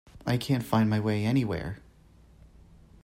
I can't find my way anywhere!